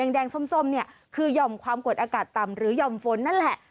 แดงส้มเนี่ยคือหย่อมความกดอากาศต่ำหรือหย่อมฝนนั่นแหละ